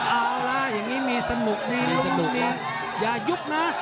เอาล่ะอย่างนี้มีสนุกมีลุงอย่ายุบนะ